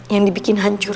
yang dibikin hancur